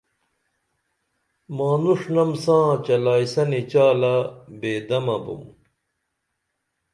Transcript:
مانوݜنم ساں چلائیسنی چالہ بے دمہ بُم